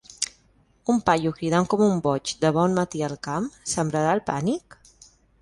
Un paio cridant com un boig de bon matí al camp, sembrarà el pànic?